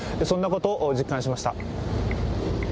そんなことを実感しました。